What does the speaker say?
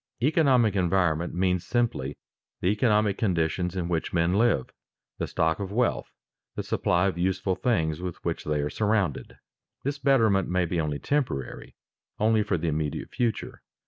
_ Economic environment means simply the economic conditions in which men live, the stock of wealth, the supply of useful things with which they are surrounded. This betterment may be only temporary, only for the immediate future.